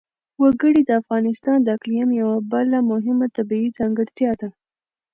وګړي د افغانستان د اقلیم یوه بله مهمه طبیعي ځانګړتیا ده.